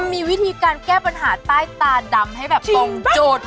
มีวิธีการแก้ปัญหาใต้ตาดำให้แบบตรงจุด